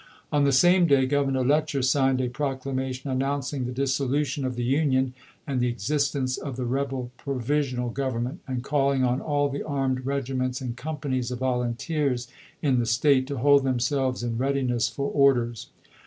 On the same day Grovernor Letcher signed a proclamation announcing the dissolution of the Union and the existence of the rebel Provi sional Government, and calling on all the armed regiments and companies of volunteers in the State to hold themselves in readiness for orders.